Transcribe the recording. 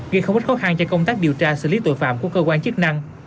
gây không ít khó khăn cho công tác điều tra xử lý tội phạm của cơ quan chức năng